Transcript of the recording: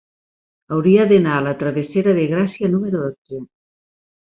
Hauria d'anar a la travessera de Gràcia número dotze.